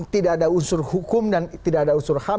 tidak ada unsur hukum dan tidak ada unsur ham